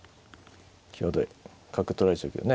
角取られちゃうけどね。